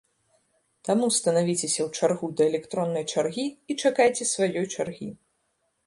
Таму станавіцеся ў чаргу да электроннай чаргі і чакайце сваёй чаргі.